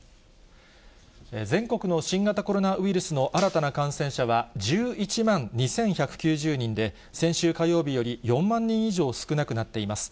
全国の新型コロナウイルスの新たな感染者は１１万２１９０人で、先週火曜日より４万人以上少なくなっています。